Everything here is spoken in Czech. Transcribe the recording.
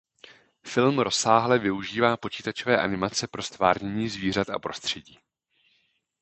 Film rozsáhle využívá počítačové animace pro ztvárnění zvířat a prostředí.